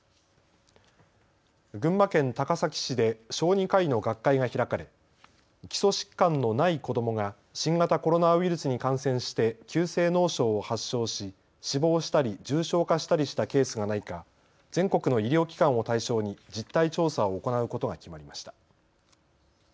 群馬県高崎市で小児科医の学会が開かれ基礎疾患のない子どもが新型コロナウイルスに感染して急性脳症を発症し、死亡したり重症化したりしたケースがないか全国の医療機関を対象に実態調査を行うことが決まりました。